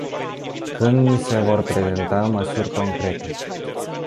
Când ni se vor prezenta măsuri concrete?